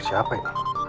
bangun siapa ini